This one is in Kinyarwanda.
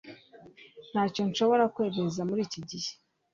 Ntacyo nshobora kwemeza muri iki gihe.